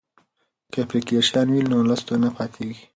که اپلیکیشن وي نو لوست نه پاتیږي.